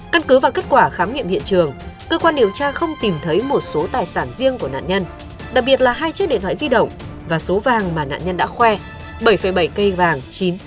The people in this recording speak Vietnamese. căn cứ vào kết quả khám nghiệm hiện trường cơ quan điều tra không tìm thấy một số tài sản riêng của nạn nhân đặc biệt là hai chiếc điện thoại di động và số vàng mà nạn nhân đã khoe bảy bảy cây vàng chín trăm tám mươi